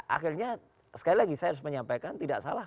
akhirnya sekali lagi saya harus menyampaikan tidak salah